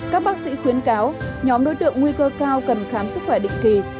các bác sĩ khuyến cáo nhóm đối tượng nguy cơ cao cần khám sức khỏe định kỳ